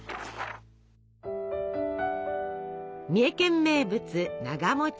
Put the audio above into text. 三重県名物「なが」。